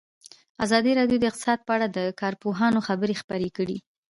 ازادي راډیو د اقتصاد په اړه د کارپوهانو خبرې خپرې کړي.